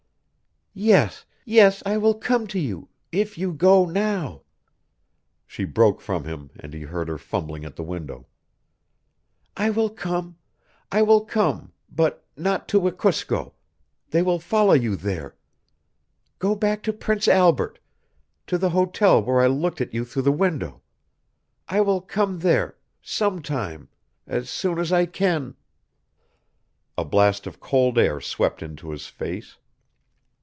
"Yes, yes, I will come to you if you go now." She broke from him and he heard her fumbling at the window. "I will come I will come but not to Wekusko. They will follow you there. Go back to Prince Albert to the hotel where I looked at you through the window. I will come there sometime as soon as I can " A blast of cold air swept into his face.